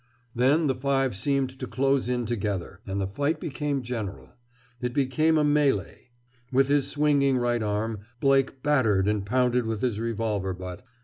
Then the five seemed to close in together, and the fight became general. It became a mêlée. With his swinging right arm Blake battered and pounded with his revolver butt.